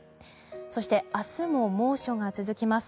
そして明日も猛暑が続きます。